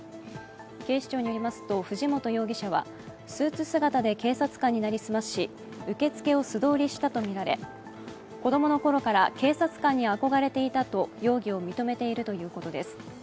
警視庁によりますと、藤本容疑者はスーツ姿で警察官に成り済まし、受付を素通りしたとみられ、子供の頃から警察官に憧れていたと容疑を認めているということです。